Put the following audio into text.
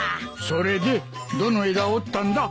それでどの枝を折ったんだ？